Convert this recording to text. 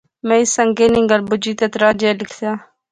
میں اس سنگے نی گل بجی تہ تراہ جیا لکھتا